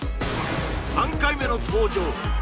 ３回目の登場！